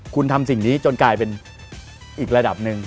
คุณทำสิ่งนี้จนกลายเป็นอีกระดับหนึ่ง